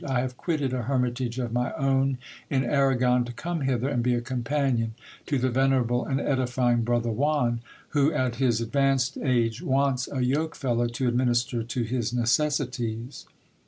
I have quitted a hermitage of my own in Arragon, to come hither and be a companion to the venerable and edifying brother Juan, who, at his advanced age, wants a yoke fellow to administer to his necessities.